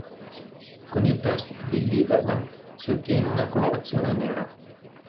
Con il test di Liebermann si ottiene una colorazione nera.